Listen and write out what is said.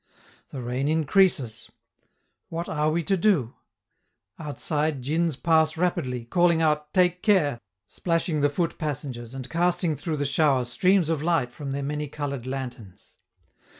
The rain increases; what are we to do? Outside, djins pass rapidly, calling out: "Take care!" splashing the foot passengers and casting through the shower streams of light from their many colored lanterns.